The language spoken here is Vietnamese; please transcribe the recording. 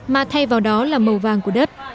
mà thay vào đó là màu vàng của đất